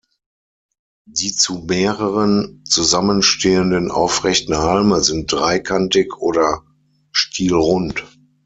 Die zu mehreren zusammenstehenden, aufrechten Halme sind dreikantig oder stielrund.